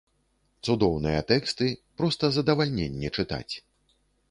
Цудоўныя тэксты, проста задавальненне чытаць.